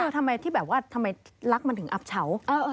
ทำไมรักมันถึงอับเฉา